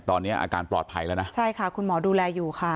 ตอนนี้อาการปลอดภัยแล้วนะใช่ค่ะคุณหมอดูแลอยู่ค่ะ